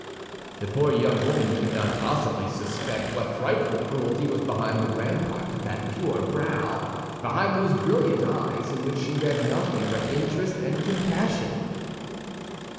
The poor young woman could not possibly suspect what frightful cruelty was behind the rampart of that pure brow, behind those brilliant eyes in which she read nothing but interest and compassion.